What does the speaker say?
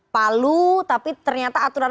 palu tapi ternyata aturan